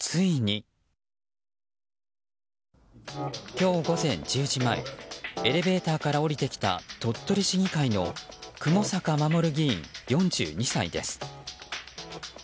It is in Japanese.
今日午前１０時前エレベーターから降りてきた鳥取市議会の雲坂衛議員、４２歳です。